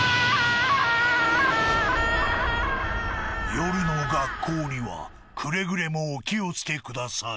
夜の学校にはくれぐれもお気をつけください